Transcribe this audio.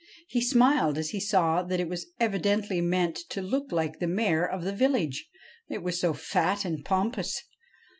He smiled as he saw that it was evidently meant to look like the Mayor of the village, it was so fat and pompous.